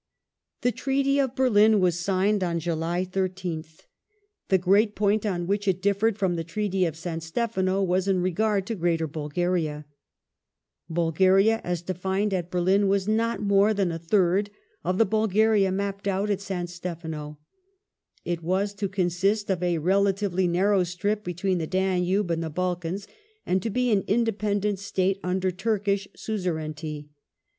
The Treaty oF Berlin was signed on July ISth. The great point on which it differed from the Treaty of San Stefano was in regard to '* Greater Bulgaria "." Bulgaria " as defined at Berlin was not more than a thii d of the Bulgaria mapped out at San Stefano. It was to consist of a relatively narrow strip between the Danube and the Balkans, and to be an independent State under Turkish suzerainty.